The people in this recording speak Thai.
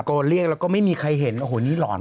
เรียกแล้วก็ไม่มีใครเห็นโอ้โหนี่หลอน